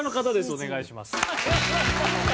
お願いします。